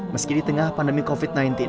meski di tengah pandemi covid sembilan belas